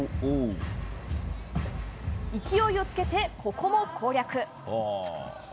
勢いをつけて、ここも攻略。